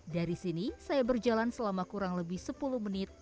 dari sini saya berjalan selama kurang lebih sepuluh menit